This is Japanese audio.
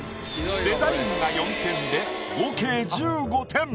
デザインが４点で合計１５点。